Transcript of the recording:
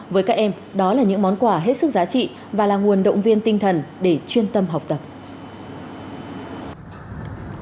với các em đó là những món quà hết sức giá trị và là nguồn động viên tinh thần để chuyên tâm học tập